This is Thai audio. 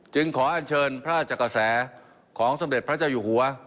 ขออันเชิญพระราชกระแสของสมเด็จพระเจ้าอยู่หัว